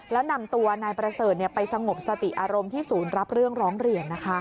แล้วนำตัวนายประเสริฐไปสงบสติอารมณ์ที่ศูนย์รับเรื่องร้องเรียน